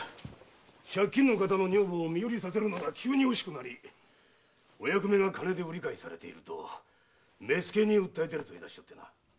借金のカタの女房を身売りさせるのが急に惜しくなりお役目が金で売り買いされていると目付に訴え出ると言い出してな。